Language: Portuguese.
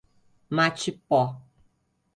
Matipó